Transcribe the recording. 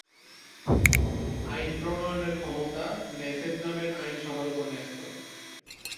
আইন প্রণয়নের ক্ষমতা নেসেট নামের আইনসভার উপর ন্যস্ত।